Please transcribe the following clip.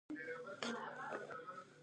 کمېټې نه غوښتل دوهمه لواء تېره شي.